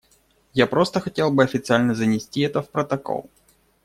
Я просто хотел бы официально занести это в протокол.